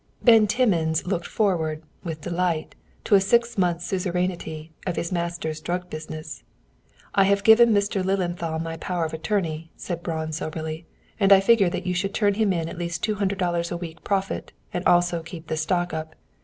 Ben Timmins looked forward, with delight, to a six months' suzerainty of his master's drug business. "I have given Mr. Lilienthal my power of attorney," said Braun soberly, "and I figure that you should turn him in at least two hundred dollars a week profit, and also keep the stock up.